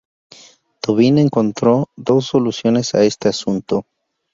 Tobin encontró dos soluciones a este asunto.